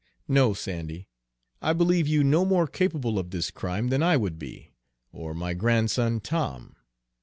"No, Sandy, I believe you no more capable of this crime than I would be, or my grandson, Tom.